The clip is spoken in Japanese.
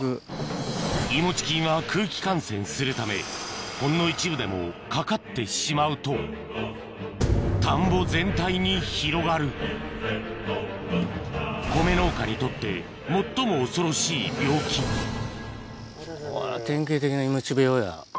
いもち菌は空気感染するためほんの一部でもかかってしまうと田んぼ全体に広がる米農家にとって最も恐ろしい病気典型的ないもち病や。